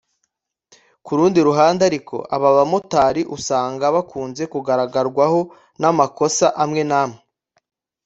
Ku rundi ruhande ariko aba bamotari usanga bakunze kugaragarwaho n’amakosa amwe n’amwe